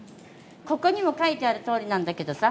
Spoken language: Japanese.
ここにも書いてあるとおりなんだけどさ。